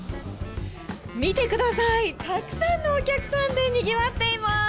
見てください、たくさんのお客さんでにぎわっています。